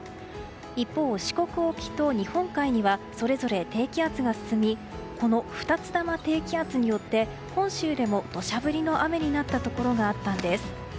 一方、四国沖と日本海にはそれぞれ低気圧が進みこの２つの低気圧によって本州でも土砂降りの雨になったところがあったんです。